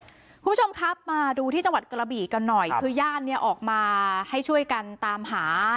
คุณผู้ชมครับมาดูที่จังหวัดกระบี่กันหน่อยคือญาติเนี่ยออกมาให้ช่วยกันตามหา